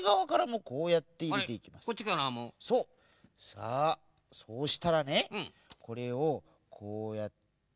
さあそうしたらねこれをこうやって。